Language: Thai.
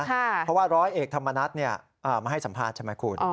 เพราะว่าร้อยเอกธรรมนัฐมาให้สัมภาษณ์ใช่ไหมคุณ